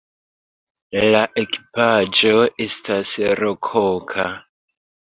La ekipaĵo estas rokoka.